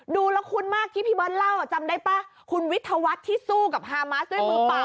ดูแล้วคุ้นมากที่พี่เบิร์ตเล่าจำได้ป่ะคุณวิทยาวัฒน์ที่สู้กับฮามาสด้วยมือเปล่า